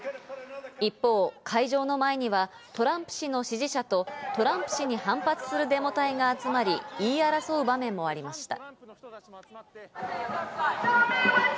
一方、会場の前にはトランプ氏の支持者とトランプ氏に反発するデモ隊が集まり、言い争う場面もありました。